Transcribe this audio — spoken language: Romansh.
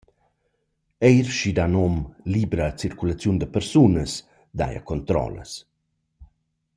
Eir schi’d ha nom libra circulaziun da persunas daja controllas.